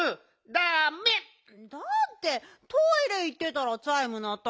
だってトイレいってたらチャイムなったからあわてて。